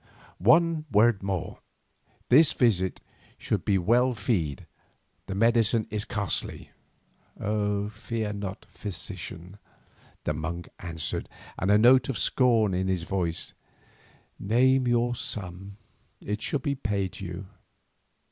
One word more. This visit should be well feed, the medicine is costly." "Fear not, physician," the monk answered with a note of scorn in his voice; "name your sum, it shall be paid to you."